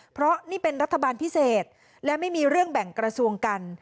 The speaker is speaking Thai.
เพราะนี่เป็นรัฐบาลพิเศษและไม่มีเรื่องแบ่งกระทรวงกัน